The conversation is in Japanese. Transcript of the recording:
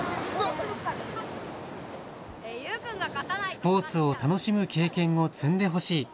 スポーツを楽しむ経験を積んでほしい。